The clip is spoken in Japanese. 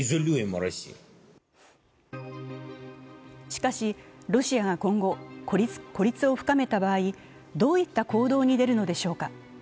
しかし、ロシアが今後、孤立を深めた場合どういった行動に出るのでしょうか。